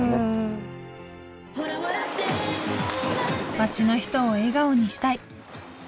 町の人を笑顔にしたい。